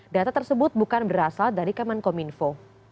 data tersebut bukan berasal dari kemenkominfo